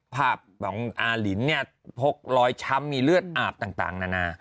ภาพของอาลินเนี่ยพกรอยช้ำมีเลือดอาบต่างนานา